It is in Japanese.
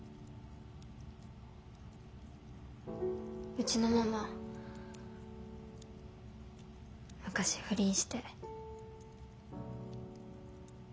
うちのママ昔不倫して。